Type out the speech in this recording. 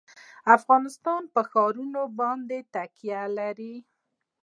افغانستان په ښارونه باندې تکیه لري.